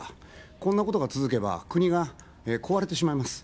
こんなことが続けば、国が壊れてしまいます。